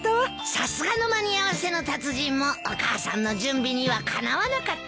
さすがの間に合わせの達人もお母さんの準備にはかなわなかったか。